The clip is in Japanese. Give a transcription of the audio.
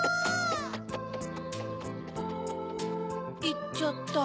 いっちゃった。